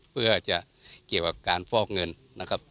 เพื่อจะเกี่ยวกับการฟอกเงินนะครับ